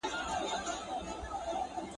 د بهرنیو چارو وزارت نظامي مداخله نه غواړي.